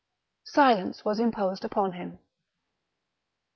Silence was imposed upon him.